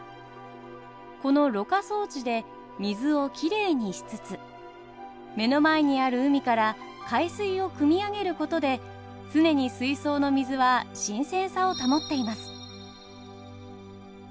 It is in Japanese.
このろ過装置で水をきれいにしつつ目の前にある海から海水をくみ上げることで常に水槽の水は新鮮さを保っています。